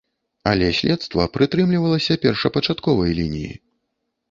Але следства прытрымлівалася першапачатковай лініі.